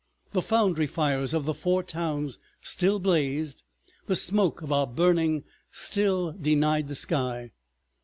The foundry fires of the Four Towns still blazed, the smoke of our burning still denied the sky.